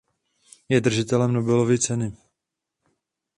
Je držitelem Nobelovy ceny.